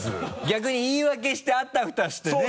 逆に言い訳してあたふたしてね。